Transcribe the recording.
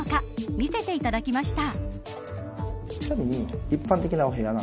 見せていただきました。